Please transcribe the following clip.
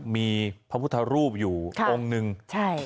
มีพระพุทธรูปอยู่องค์หนึ่งใช่